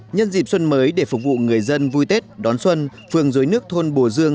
nhân dịp xuân mới để phục vụ người dân vui tết đón xuân